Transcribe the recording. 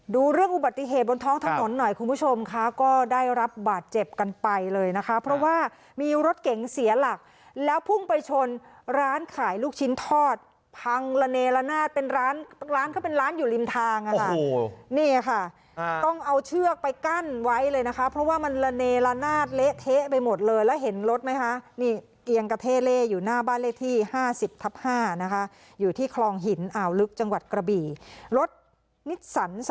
ดูเรื่องอุบัติเหตุบนท้องถนนหน่อยคุณผู้ชมค่ะก็ได้รับบาดเจ็บกันไปเลยนะคะเพราะว่ามีรถเก่งเสียหลักแล้วพรุ่งไปชนร้านขายลูกชิ้นทอดพังระเนลนาดเป็นร้านร้านก็เป็นร้านอยู่ริมทางอ่ะนี่ค่ะต้องเอาเชือกไปกั้นไว้เลยนะคะเพราะว่ามันระเนลนาดเละเทะไปหมดเลยแล้วเห็นรถไหมคะนี่เกียงกระเทเลอยู่หน้าบ้านเลขที่ห้